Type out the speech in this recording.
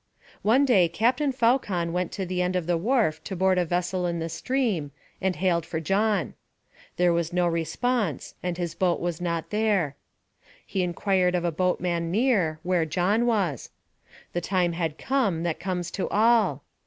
One day Captain Faucon went to the end of the wharf to board a vessel in the stream, and hailed for John. There was no response, and his boat was not there. He inquired of a boatman near, where John was. The time had come that comes to all!